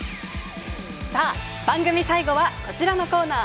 番組最後はこちらのコーナー。